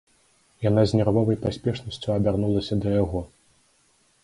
Яна з нервовай паспешнасцю абярнулася да яго.